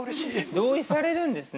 同意されるんですね。